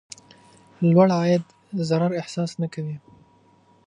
لوړ عاید ضرر احساس نه کوي.